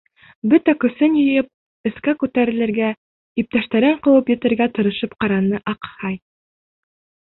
Бөтә көсөн йыйып, өҫкә күтәрелергә, иптәштәрен ҡыуып етергә тырышып ҡараны. аҡһай.